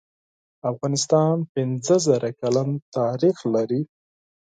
افغانستان پنځه زره کلن تاریخ لری